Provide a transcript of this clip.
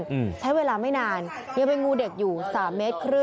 เลือมใช้เวลาไม่นานนี่เป็นงูเด็กอยู่๓๕เมตร